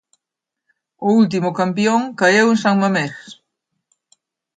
O último campión caeu en San Mamés.